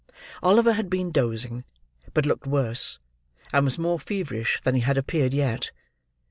Oliver had been dozing; but looked worse, and was more feverish than he had appeared yet.